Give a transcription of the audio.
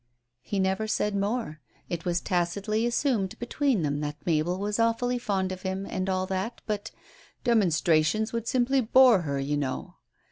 He never said more. It was tacitly assumed between them that Mabel was awfully fond of him and all that, but "demonstrations would simply bore her, you know."